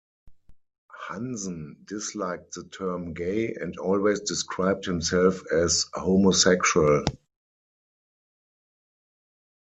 Hansen disliked the term "gay" and always described himself as "homosexual".